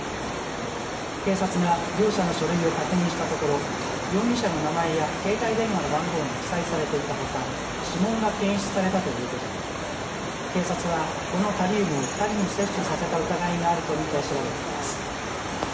警察が業者の書類を確認したところ容疑者の名前や携帯電話の番号が記載されていたほか指紋が検出されたということで警察はこのタリウムを２人に摂取させた疑いがあると見て調べています。